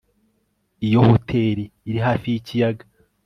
Iyo hoteri iri hafi yikiyaga